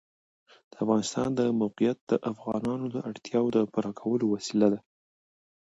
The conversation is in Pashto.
د افغانستان د موقعیت د افغانانو د اړتیاوو د پوره کولو وسیله ده.